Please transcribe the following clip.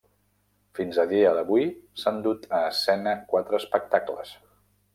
Fins al dia d'avui, s'han dut a escena quatre espectacles.